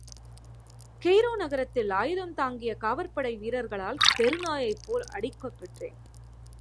Cairo நகரத்தில் ஆயுதந்தாங்கிய காவற்படை வீரர்களால் தெரு நாயைப் போல் அடிக்கப் பெற்றேன்!